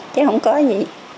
chứ không có gì